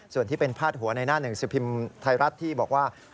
ส่วนที่เป็นพาดหัวในหน้าหนึ่งสิบพิมพ์ไทยรัฐที่บอกว่า